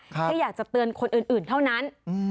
แค่อยากจะเตือนคนอื่นเท่านั้น